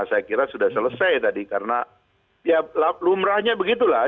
saya kira sudah selesai tadi karena ya lumrahnya begitulah